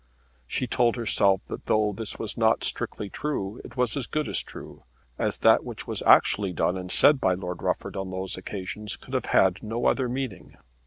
She told herself that though this was not strictly true, it was as good as true, as that which was actually done and said by Lord Rufford on those occasions could have had no other meaning.